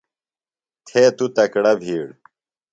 تھے تُوۡ تکڑہ بِھیڑ.